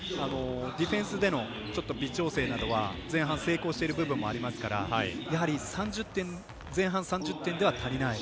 ディフェンスでの微調整などは前半成功している部分もありますからやはり前半３０点では足りない。